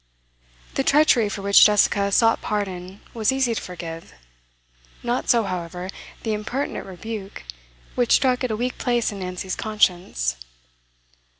The treachery for which Jessica sought pardon was easy to forgive; not so, however, the impertinent rebuke, which struck at a weak place in Nancy's conscience.